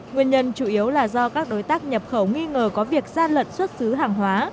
nguyên nhân chủ yếu là do các đối tác nhập khẩu nghi ngờ có việc gian lận xuất xứ hàng hóa